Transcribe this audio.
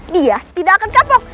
dia tidak akan kapok